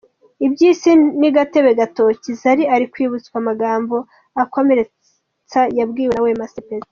Iby’isi ni gatebe gatoki, Zari ari kwibutswa amagambo akomeretsa yabwiye Wema Sepetu.